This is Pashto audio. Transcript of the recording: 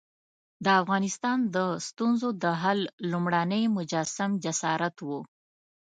د افغانستان د ستونزو د حل لومړنی مجسم جسارت وو.